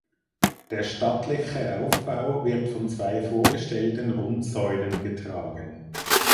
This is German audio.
Der stattliche Aufbau wird von zwei vorgestellten Rundsäulen getragen.